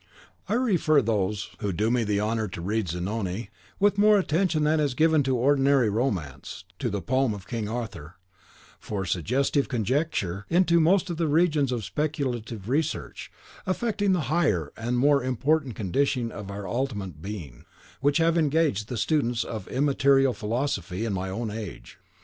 I refer those who do me the honour to read "Zanoni" with more attention than is given to ordinary romance, to the Poem of "King Arthur," for suggestive conjecture into most of the regions of speculative research, affecting the higher and more important condition of our ultimate being, which have engaged the students of immaterial philosophy in my own age.